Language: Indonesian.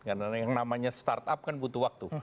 karena yang namanya startup kan butuh waktu